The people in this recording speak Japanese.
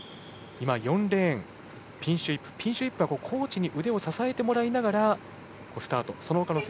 ４レーンのピンシュー・イップはコーチに腕を支えてもらいながらスタート。